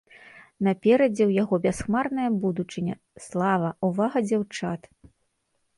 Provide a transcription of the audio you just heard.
Наперадзе ў яго бясхмарная будучыня, слава, увага дзяўчат.